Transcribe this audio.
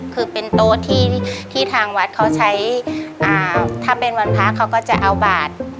คือเป็นโต๊ะที่ทางวัดเขาใช้ถ้าเป็นวันพระเขาก็จะเอาบาท